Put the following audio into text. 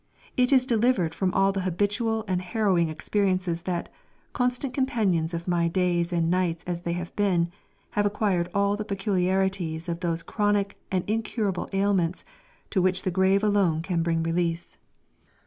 It is delivered from all the habitual and harrowing experiences that, constant companions of my days and nights as they have been, have acquired all the peculiarities of those chronic and incurable ailments, to which the grave alone can bring release.